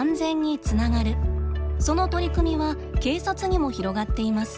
その取り組みは警察にも広がっています。